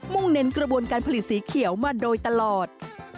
่งเน้นกระบวนการผลิตสีเขียวมาโดยตลอด